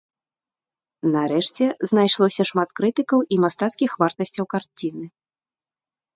Нарэшце, знайшлося шмат крытыкаў і мастацкіх вартасцяў карціны.